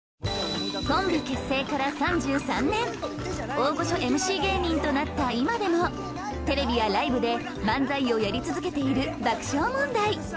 大御所ＭＣ芸人となった今でもテレビやライブで漫才をやり続けている爆笑問題。